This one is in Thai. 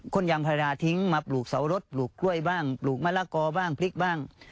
คนยางพาราทิ้งมาปลูกเสารถปลูกกล้วยบ้างปลูกมะละกอบ้างพริกบ้าง